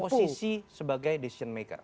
kasih posisi sebagai decision maker